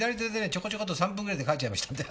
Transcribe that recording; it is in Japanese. ちょこちょこっと３分ぐらいで書いちゃいましたんで。